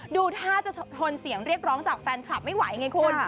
ดูท่าจะทนเสียงเรียกร้องจากแฟนคลับไม่ไหวไงคุณ